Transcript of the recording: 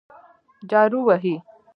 جارو وهي.